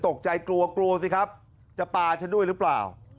ตกใจกลัวกลัวสิครับจะปลาฉันด้วยหรือเปล่า